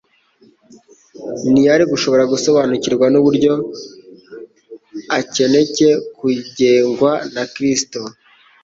ntiyari gushobora gusobanukirwa n'uburyo akencye kugengwa na Kristo.